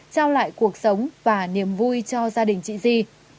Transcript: trao lại cuộc sống và niềm vui cho gia đình chị di